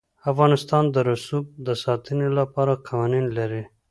افغانستان د رسوب د ساتنې لپاره قوانین لري.